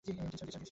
জি, sir!